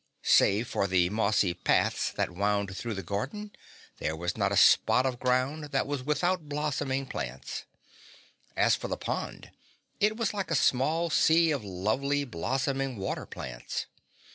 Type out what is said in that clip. Save for the mossy paths that wound through the garden, there was not a spot of ground that was without blossoming plants. As for the pond, it was like a small sea of lovely blossoming water plants.